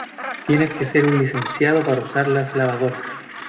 tienes que ser un licenciado para usar las lavadoras.